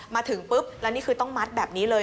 มาถึงปุ๊บแล้วนี่คือต้องมัดแบบนี้เลย